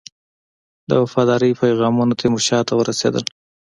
د وفاداری پیغامونه تیمورشاه ته ورسېدل.